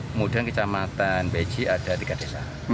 kemudian kecamatan beji ada tiga desa